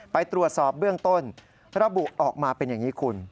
ไปตรวจสอบเบื้องต้นระบุออกมาเป็นอย่างนี้คุณ